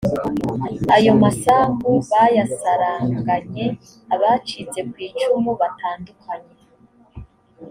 ayo masambu bayasaranganye abacitse ku icumu batandukanye